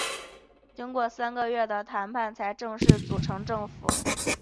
经过三个月谈判才正式组成政府。